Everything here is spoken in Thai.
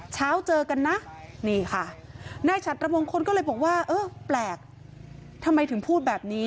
เช้าเจอกันนะนี่ค่ะนายฉัดระมงคลก็เลยบอกว่าเออแปลกทำไมถึงพูดแบบนี้